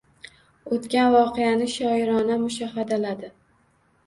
O’tgan voqeani shoirona mushohadaladi.